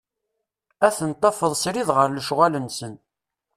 Ad tent-tafeḍ srid ɣer lecɣal-nsen.